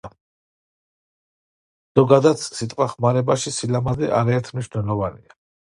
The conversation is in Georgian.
ზოგადად სიტყვახმარებაში სილამაზე არაერთმნიშვნელოვანია.